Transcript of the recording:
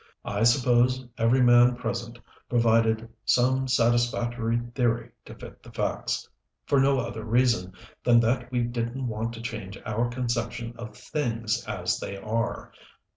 I suppose every man present provided some satisfactory theory to fit the facts, for no other reason than that we didn't want to change our conception of Things as They Are.